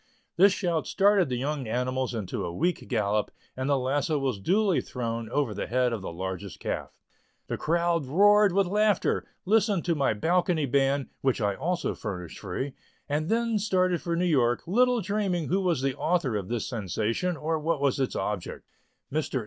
This shout started the young animals into a weak gallop and the lasso was duly thrown over the head of the largest calf. The crowd roared with laughter, listened to my balcony band, which I also furnished "free," and then started for New York, little dreaming who was the author of this sensation, or what was its object. Mr.